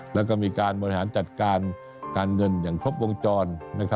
แล้วก็มีการบริหารจัดการการเงินอย่างครบวงจร